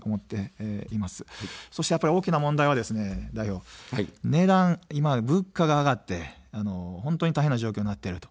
そして大きな問題は代表、値段、物価が上がって、大変な状況になっている。